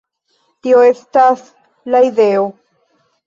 Tio estas la ideo.